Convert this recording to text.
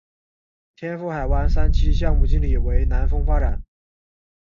天赋海湾三期项目经理为南丰发展。